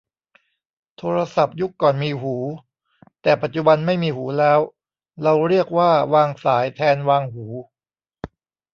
โทรศัพท์ยุคก่อนมีหู แต่ปัจจุบันไม่มีหูแล้ว เราเรียกว่าวางสายแทนวางหู